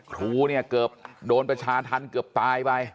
ครูเนี่ยเกือบโดนประชาธรรมเกือบตายไป